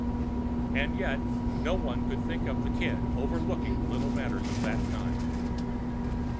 And yet one could not think of the Kid overlooking little matters of that kind.